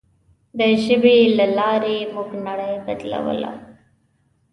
د ژبې له لارې موږ نړۍ بدلوله.